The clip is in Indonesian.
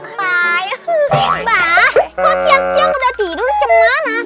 mbak kok siang siang udah tidur cemana